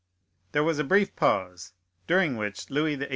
There was a brief pause, during which Louis XVIII.